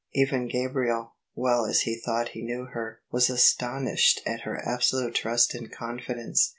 Even Gabriel, well as he thought he knew her, was astonished at her absolute trust and confidence.